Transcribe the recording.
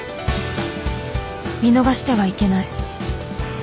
見逃してはいけない